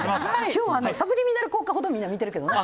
今日、サブリミナル効果ほどみんな見てるけどね。